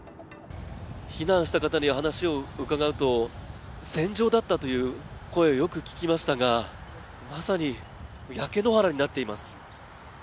避難した方に話を伺うと戦場だったという声をよく聞きましたがまさに焼け野原になっています。